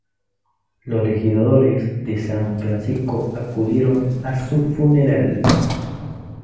Los legisladores de San Francisco acudieron a su funeral.